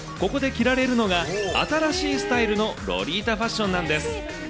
期間限定ですが、ここで着られるのが、新しいスタイルのロリータファッションなんです。